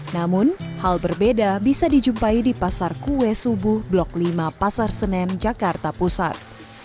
namun hal berbeda bisa dijumpai di pasar kue subuh blok lima pasar senen jakarta pusat